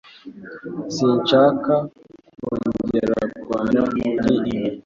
Sinshaka kongera kurwana kuri ibi